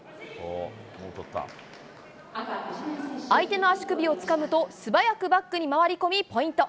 相手の足首をつかむと、素早くバックに回り込みポイント。